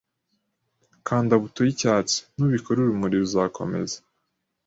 Kanda buto y'icyatsi. Nubikora, urumuri ruzakomeza